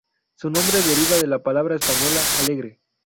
Su nombre deriva de la palabra española alegre.